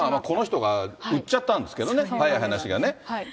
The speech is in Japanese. この人が売っちゃったんですけどね、早い話がね。